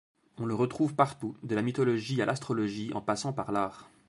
On le retrouve partout, de la mythologie à l'astrologie, en passant par l'art.